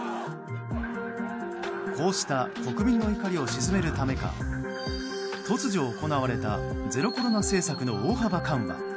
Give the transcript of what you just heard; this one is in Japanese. こうした国民の怒りを鎮めるためか突如行われたゼロコロナ政策の大幅緩和。